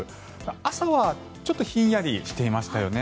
朝はちょっとひんやりしていましたよね。